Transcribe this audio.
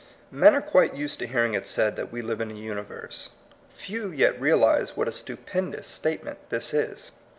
Men are quite used to hearing it said that we live in a universe. Few yet re alize what a stupendous statement this is.